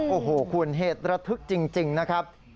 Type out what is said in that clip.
โอ้โหคุณเหตุระทึกจริงนะครับ